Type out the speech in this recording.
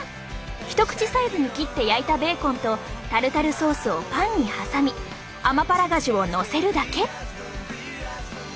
一口サイズに切って焼いたベーコンとタルタルソースをパンに挟みアマパラガジュをのせるだけ。